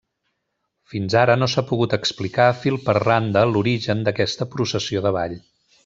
Fins ara no s'ha pogut explicar fil per randa l'origen d'aquesta processió de ball.